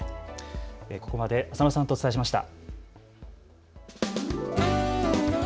ここまで浅野さんとお伝えしました。